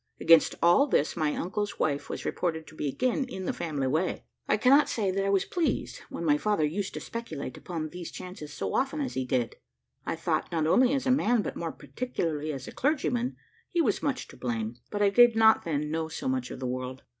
Against all this my uncle's wife was reported to be again in the family way. I cannot say that I was pleased when my father used to speculate upon these chance so often as he did. I thought, not only as a man, but more particularly as a clergyman, he was much to blame; but I did not then know so much of the world.